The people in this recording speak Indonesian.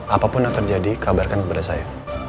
apapun yang terjadi kabarkan kepada saya